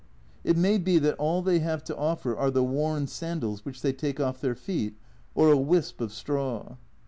It may be that all they have to offer are the worn sandals which they take off their feet, or a wisp of straw.